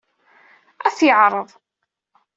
Ad t-yeɛreḍ.